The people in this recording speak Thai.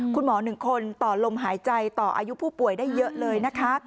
คุณหมอ๑คนต่อลมหายใจต่ออายุผู้ป่วยได้เยอะเลยนะคะ